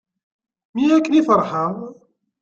Mi akken i ferḥeɣ.